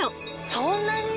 そんなに！？